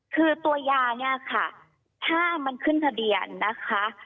คือตัวยาเนี่ยค่ะถ้ามันขึ้นทะเบียนนะคะ